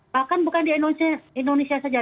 bahkan bukan di indonesia saja